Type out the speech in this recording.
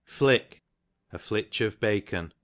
Fliek, a flitch of bacon.